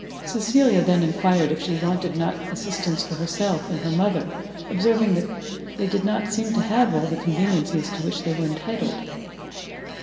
Cecilia then enquired if she wanted not assistance for herself and her mother, observing that they did not seem to have all the conveniencies to which they were entitled.